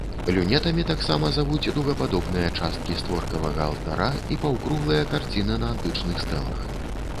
Люнетамі таксама завуць дугападобныя часткі створкавага алтара і паўкруглыя карціны на антычных стэлах.